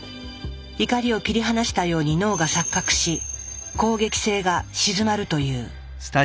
怒りを切り離したように脳が錯覚し攻撃性がしずまるという。